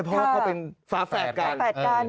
เพราะเขาเป็นสาแฝดกัน